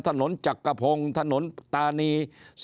ถนนจักรพงศ์ถนนตานี